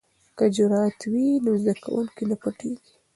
که جرئت وي نو زده کوونکی نه پټیږي.